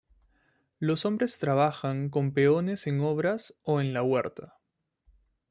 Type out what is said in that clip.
Los hombres trabajan como peones en obras o en la huerta.